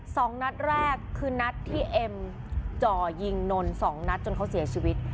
สองนัดแรกคือนัดที่เอ็มจ่อยิงนนท์สองนัดจนเขาเสียชีวิต